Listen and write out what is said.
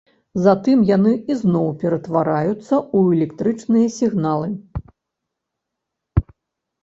Затым яны ізноў ператвараюцца ў электрычныя сігналы.